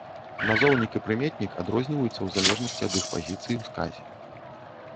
Назоўнік і прыметнік адрозніваюцца ў залежнасці ад іх пазіцыі ў сказе.